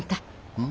うん？